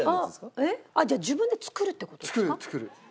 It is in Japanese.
じゃあ自分で作るって事ですか？